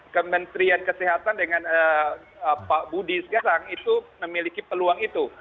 kementerian kesehatan dengan pak budi sekarang itu memiliki peluang itu